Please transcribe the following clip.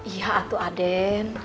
iya atu aden